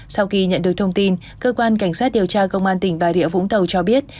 sau khi nhận được thông tin cơ quan cảnh sát điều tra công an tỉnh bà rịa vũng tàu cho biết